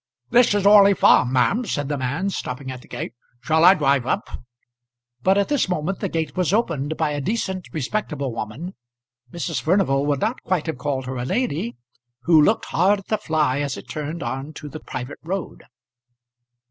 "This is Orley Farm, ma'am," said the man, stopping at the gate. "Shall I drive up?" But at this moment the gate was opened by a decent, respectable woman, Mrs. Furnival would not quite have called her a lady, who looked hard at the fly as it turned on to the private road.